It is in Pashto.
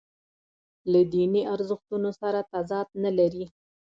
له دیني ارزښتونو سره تضاد نه لري.